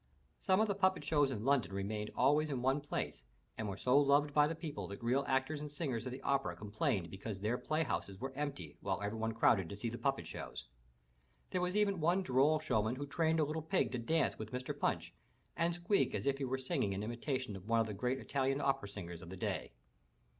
Some of the puppet shows in London remained always in one place and were so loved by the people that real actors and singers at the opera complained because their play houses were empty while everybody crowded to see the puppet shows. There was even one droll show man who trained a little pig to dance with Mr. Punch and squeak as if he were singing in imitation of one of the great Italian opera singers of the day.